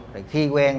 rồi khi quen